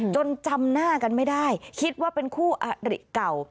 จำหน้ากันไม่ได้คิดว่าเป็นคู่อริเก่า